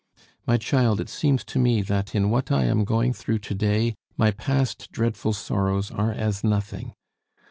"My child, it seems to me that in what I am going through to day my past dreadful sorrows are as nothing.